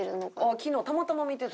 昨日たまたま見てたんや。